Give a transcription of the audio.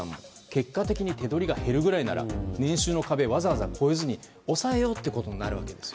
結果的に手取りが減るぐらいなら年収の壁をわざわざ超えずに抑えようということになるわけです。